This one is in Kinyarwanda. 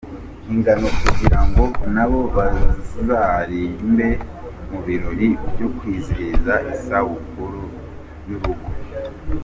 ingano kugira ngo nabo bazaririmbe mu birori byo kwizihiza isabukuru yurugo.